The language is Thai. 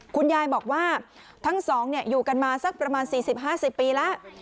คุณยายบอกว่าทั้งสองอยู่กันมาสักประมาณ๔๐๕๐ปีแล้ว